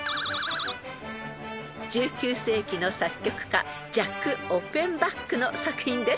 ［１９世紀の作曲家ジャック・オッフェンバックの作品です］